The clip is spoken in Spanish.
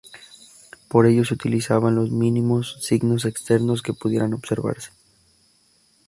Para ello se utilizaban los mínimos signos externos que pudieran observarse.